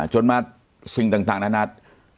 จนมาสิ่งต่างนานา